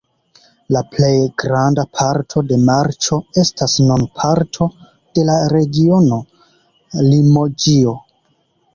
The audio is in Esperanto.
La plej granda parto de Marĉo estas nun parto de la regiono Limoĝio.